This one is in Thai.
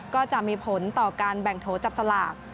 ก็จะมีผลต่อการแบ่งโถจับสลาก